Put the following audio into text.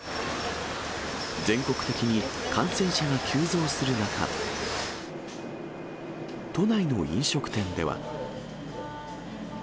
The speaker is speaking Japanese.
全国的に感染者が急増する中、都内の飲食店では。